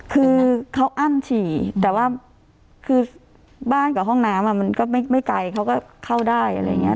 คือเขาอั้นฉี่แต่ว่าคือบ้านกับห้องน้ำมันก็ไม่ไกลเขาก็เข้าได้อะไรอย่างนี้